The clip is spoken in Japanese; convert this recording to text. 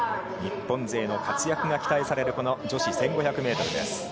日本勢の活躍が期待されるこの女子１５００ｍです。